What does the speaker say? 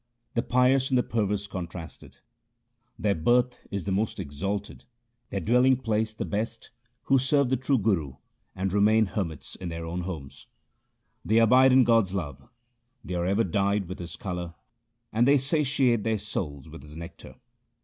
The pious and the perverse contrasted :— Their birth is the most exalted and their dwelling place the best, Who serve the true Guru and remain hermits in their own homes. They abide in God's love, they are ever dyed with His colour, and they satiate their souls with His nectar.